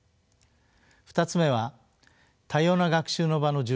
２つ目は多様な学習の場の充実です。